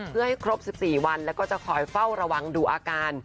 เพื่อให้ครบ๑๔วันแล้วก็จะคอยเฝ้าระวังดูอาการ